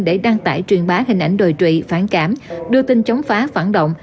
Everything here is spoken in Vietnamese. để đăng tải truyền bá hình ảnh đồi trụy phản cảm đưa tin chống phá phản động